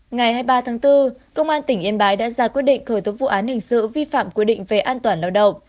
ngày hai mươi ba tháng bốn công an tỉnh yên bái đã ra quyết định khởi tố vụ án hình sự vi phạm quy định về an toàn lao động